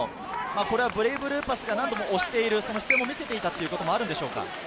ブレイブルーパスが何度も押している、その姿勢を見せていたということもあるんでしょうか。